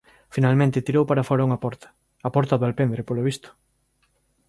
Finalmente tirou para fóra unha porta —a porta do alpendre, polo visto—